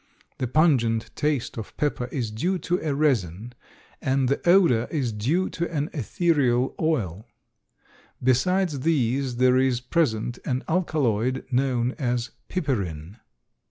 The pungent taste of pepper is due to a resin and the odor is due to an ethereal oil. Besides these there is present an alkaloid known as piperin.